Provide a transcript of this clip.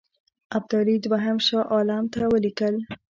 ابدالي دوهم شاه عالم ته ولیکل.